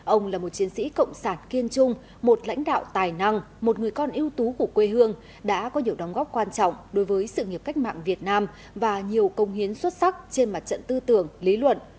ông là một chiến sĩ cộng sản kiên trung một lãnh đạo tài năng một người con ưu tú của quê hương đã có nhiều đóng góp quan trọng đối với sự nghiệp cách mạng việt nam và nhiều công hiến xuất sắc trên mặt trận tư tưởng lý luận